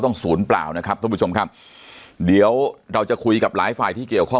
ศูนย์เปล่านะครับท่านผู้ชมครับเดี๋ยวเราจะคุยกับหลายฝ่ายที่เกี่ยวข้อง